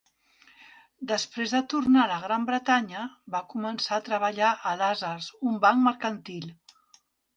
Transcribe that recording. Després de tornar a la Gran Bretanya, va començar a treballar a Lazards, un banc mercantil.